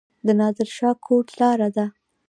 د نادر شاه کوټ لاره ده